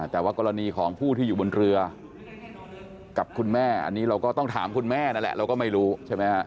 แต่ว่ากรณีของผู้ที่อยู่บนเรือกับคุณแม่อันนี้เราก็ต้องถามคุณแม่นั่นแหละเราก็ไม่รู้ใช่ไหมฮะ